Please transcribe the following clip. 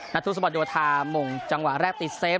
ทุศบันโดทามงจังหวะแรกติดเซฟ